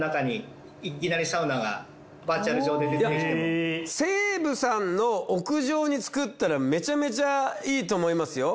例えば西武さんの屋上に作ったらめちゃめちゃいいと思いますよ。